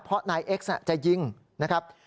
เพราะนายเอ็กซ์จะยิงนะครับ